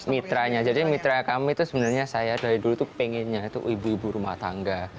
mitranya jadi mitra kami itu sebenarnya saya dari dulu itu pengennya itu ibu ibu rumah tangga